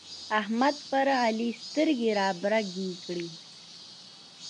احمد پر علي سترګې رابرګې کړې.